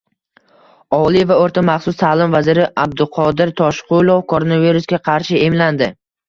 Oliy va o‘rta maxsus ta’lim vaziri Abduqodir Toshqulov koronavirusga qarshi emlandi